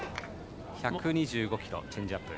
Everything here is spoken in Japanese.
１２５キロのチェンジアップ。